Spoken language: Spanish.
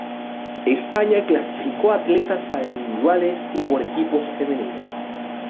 España clasificó atletas para individuales y por equipos femenino.